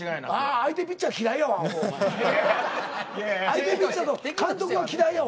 相手ピッチャーと監督は嫌いやわ。